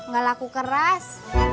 gak laku keras